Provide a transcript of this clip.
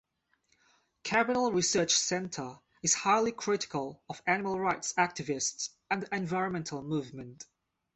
Capital Research Center is highly critical of animal rights activists and the environmental movement.